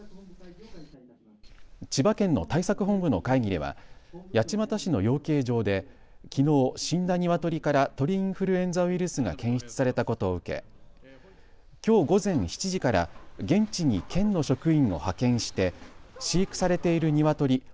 千葉県の対策本部の会議では八街市の養鶏場できのう死んだニワトリから鳥インフルエンザウイルスが検出されたことを受けきょう午前７時から現地に県の職員を派遣して飼育されているニワトリ